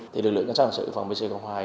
thì lực lượng can sát hành sự phòng b c c h a i